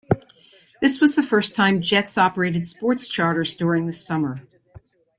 This was the first time Jetz operated sport charters during the summer.